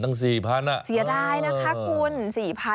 ตั้งสี่พันธุ์ก็ตกใจเหมือนกันค่ะ